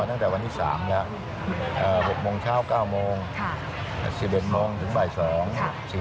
๓ช่วงเวลาตั้งแต่การจัดระเบียบแบบนี้